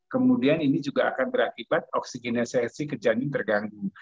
kemudian ini juga akan berakibat oksigenisasi ke janin terganggu